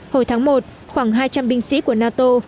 hồi tháng một khoảng hai trăm linh binh sĩ của nato